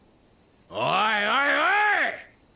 おいおいおい！